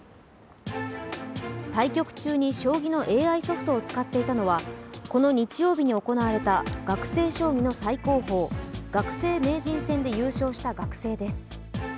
対局中に将棋のＡＩソフトを使っていたのはこの日曜日に行われた学生将棋の最高峰、学生名人戦で優勝した学生です。